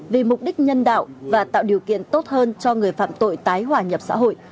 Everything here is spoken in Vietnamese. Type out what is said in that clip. vì mục đích nhân đạo và tạo điều kiện tốt hơn cho người phạm tội tái hòa nhập xã hội